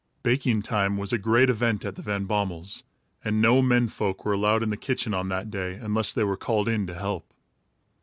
Baking time was a great event at the Van Bommels' and no men folks were allowed in the kitchen on that day, unless they were called in to help.